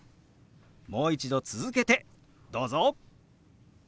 もう一度続けてどうぞ！